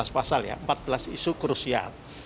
empat belas pasal ya empat belas isu krusial